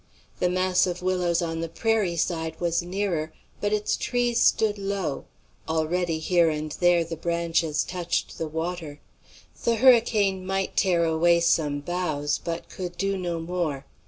The mass of willows on the prairie side was nearer, but its trees stood low, already here and there the branches touched the water; the hurricane might tear away some boughs, but could do no more.